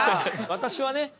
私はね